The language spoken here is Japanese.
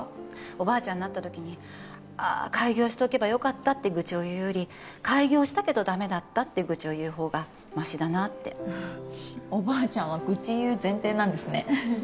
おばあちゃんになった時にああ開業しておけばよかったって愚痴を言うより開業したけどダメだったって愚痴を言う方がマシだなっておばあちゃんは愚痴言う前提なんですね